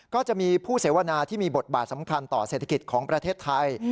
ก็จะมีผู้เสวนาที่มีบทบาทสำคัญต่อเศรษฐกิจของประเทศไทย